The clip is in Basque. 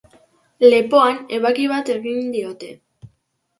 Lepoan ebaki bat egin diote.